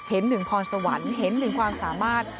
หนึ่งพรสวรรค์เห็นหนึ่งความสามารถ